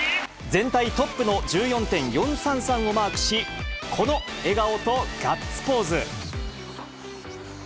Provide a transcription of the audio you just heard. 全体トップの１４．４３３をマークし、この笑顔とガッツポーズ。